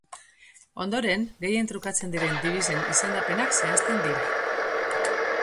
Ondoren, gehien trukatzen diren dibisen izendapenak zehazten dira.